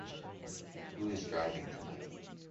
Who is driving tonight?